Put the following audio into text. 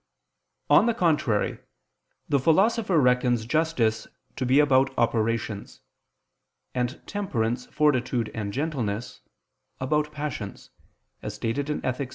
On the contrary, The Philosopher reckons justice to be about operations; and temperance, fortitude and gentleness, about passions (Ethic.